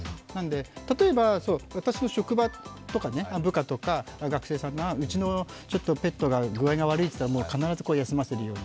例えば私の職場とか、部下とか学生さんが、うちのペットが具合が悪いと言ったら、必ず休ませるように。